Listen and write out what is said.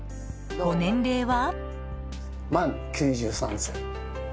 ご年齢は？